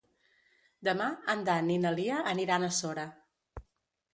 Demà en Dan i na Lia aniran a Sora.